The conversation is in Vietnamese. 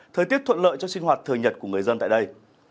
thời tiết thuận lợi cho sinh hoạt thường nhật của người dân tại đây